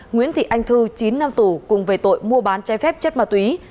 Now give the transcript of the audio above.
nguyễn thị anh thư chín năm tù cùng về tội mua bán trái phép chất ma túy